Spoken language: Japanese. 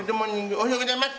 おはようございます。